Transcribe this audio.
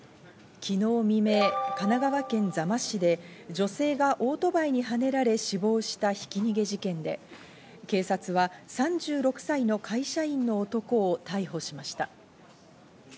昨日未明、神奈川県座間市で女性がオートバイにはねられ死亡したひき逃げ事件で、警察は３６歳の会社員の男を逮捕しました。